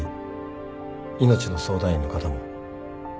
いのちの相談員の方も。